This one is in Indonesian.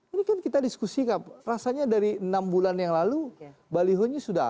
ini kan kita diskusi rasanya dari enam bulan yang lalu balihonya sudah